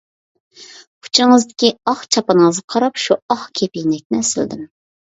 ئۇچىڭىزدىكى ئاق چاپىنىڭىزغا قاراپ شۇ ئاق كېپىنەكنى ئەسلىدىم.